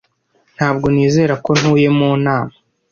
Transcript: ntabwo nizera ko ntuye mu nama